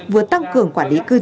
vừa tăng cường quản lý cư trú